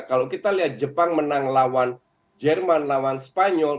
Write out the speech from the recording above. kalau kita lihat jepang menang lawan jerman lawan spanyol